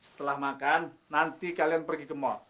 setelah makan nanti kalian pergi ke mall